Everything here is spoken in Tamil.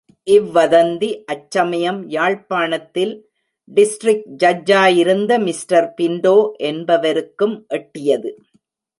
இவ்வதந்தி, அச்சமயம் யாழ்ப்பாணத்தில் டிஸ்டிரிக்ட் ஜட்ஜாயிருந்த மிஸ்டர் பின்டோ என்பவருக்கும் எட்டியது.